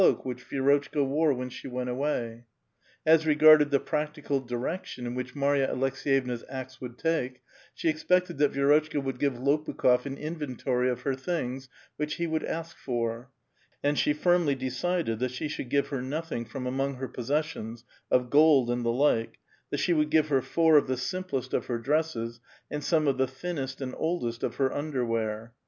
lt, which Vi^rotchka wore when she went away. As re fe^rcl^tj the practical direction in which Marya Aleks^yevna's ^ts would take, she expected that Vii^rotchka would give T*^Pukh6f an inventory of her things, which he would ask /^^* y and she firmly decided that she should give her nothing ^'^iti among her possessions of gold and the like, that she ^^Id give her four of the simplest of her dresses, and some ^ the thinnest and oldest of her underwear.